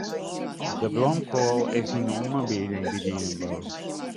De blomkoal is yn de oanbieding by de Jumbo.